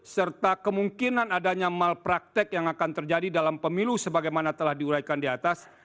serta kemungkinan adanya malpraktek yang akan terjadi dalam pemilu sebagaimana telah diuraikan di atas